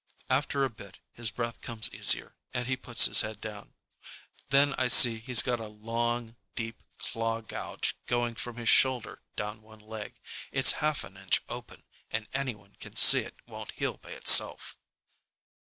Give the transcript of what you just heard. After a bit his breath comes easier and he puts his head down. Then I see he's got a long, deep claw gouge going from his shoulder down one leg. It's half an inch open, and anyone can see it won't heal by itself.